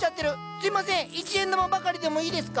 すいません一円玉ばかりでもいいですか？